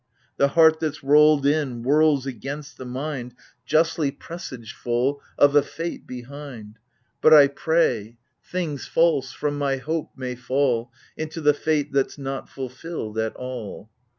8i Tlie heart that's rolled in whirls against the mind Justly presageful of a fate behind. But I pray — things false, from my hope, may fall Into the fate that's not fulfilled at all